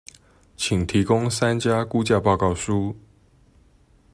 請提供三家估價報告書